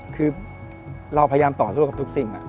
คือเราพยายามต่อสู้กับทุกสิ่ง